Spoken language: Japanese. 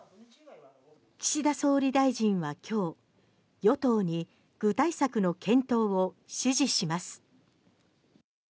岸田総理大臣は今日、与党に具体策の検討を指示します。